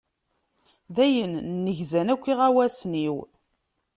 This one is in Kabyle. Dayen, nnegzan akk iɣawasen-iw.